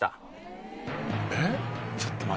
えっ？